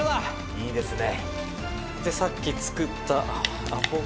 「いいですね」